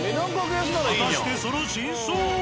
果たしてその真相は！？